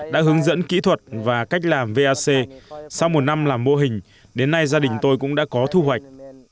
đã hướng dẫn kỹ thuật và cách làm vac sau một năm làm mô hình đến nay gia đình tôi cũng đã có thu hoạch